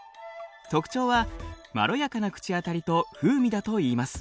特徴はまろやかな口当たりと風味だといいます。